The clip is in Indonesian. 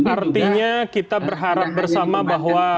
artinya kita berharap bersama bahwa